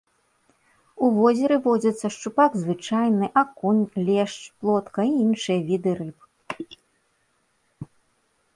У возеры водзяцца шчупак звычайны, акунь, лешч, плотка і іншыя віды рыб.